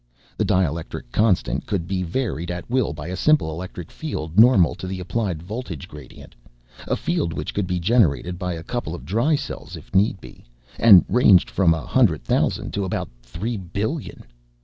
The dielectric constant could be varied at will by a simple electric field normal to the applied voltage gradient a field which could be generated by a couple of dry cells if need be and ranged from a hundred thousand to about three billion.